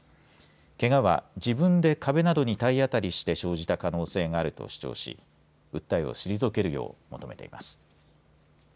けがは自分で壁などに体当たりして生じた可能性があると主張し訴えを退けるよう求めています。